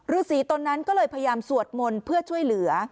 ฤษีตนนั้นก็เลยพยายามสวดมนต์เพื่อช่วยเหลือ